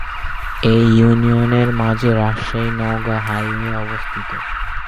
এই ইউনিয়নের মাঝে রাজশাহী-নওগাঁ হাইওয়ে অবস্থিত।